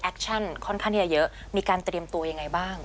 ค่อนข้างที่จะเยอะมีการเตรียมตัวยังไงบ้าง